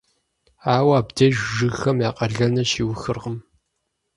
Ауэ абдеж жыгхэм я къалэныр щиухыркъым.